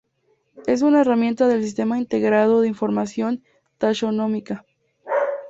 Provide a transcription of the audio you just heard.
Es una herramienta del Sistema Integrado de Información Taxonómica.